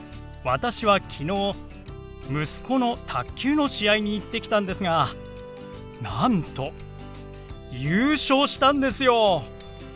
私は昨日息子の卓球の試合に行ってきたんですがなんと優勝したんですよ！